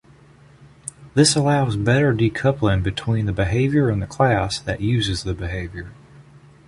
This allows better decoupling between the behavior and the class that uses the behavior.